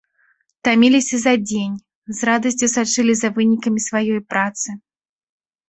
Таміліся за дзень, з радасцю сачылі за вынікамі сваёй працы.